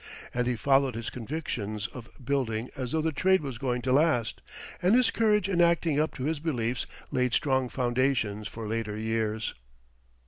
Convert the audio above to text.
And he followed his convictions of building as though the trade was going to last, and his courage in acting up to his beliefs laid strong foundations for later years.